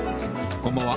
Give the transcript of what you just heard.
こんばんは。